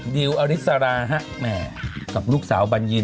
ดิวอริสราฮะแม่กับลูกสาวบัญญิน